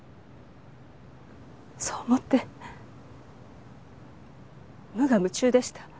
そう思って無我夢中でした。